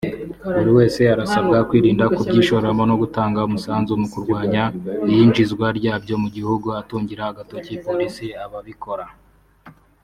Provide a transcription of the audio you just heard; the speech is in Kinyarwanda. Buri wese arasabwa kwirinda kubyishoramo no gutanga umusanzu mu kurwanya iyinjizwa ryabyo mu gihugu atungira agatoki Polisi ababikora